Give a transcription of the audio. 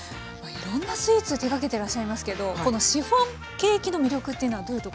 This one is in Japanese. いろんなスイーツ手がけてらっしゃいますけどこのシフォンケーキの魅力っていうのはどういうところですか？